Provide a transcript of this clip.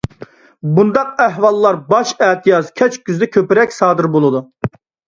بۇنداق ئەھۋال باش ئەتىياز، كەچ كۈزدە كۆپرەك سادىر بولىدۇ.